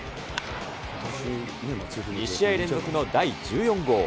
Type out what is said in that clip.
２試合連続の第１４号。